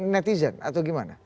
netizen atau gimana